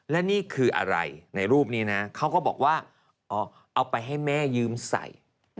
และนี่คืออะไรในรูปนี้นะเขาก็บอกว่าเอาไปให้แม่ยืมใส่